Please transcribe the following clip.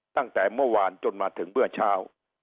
ตั้งแต่เมื่อวานจนมาถึงเมื่อเช้า